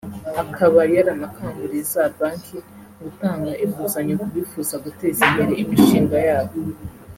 akaba yaranakanguriye za banki gutanga inguzanyo ku bifuza guteza imbere imishinga yabo